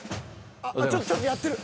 あっちょっとやってる。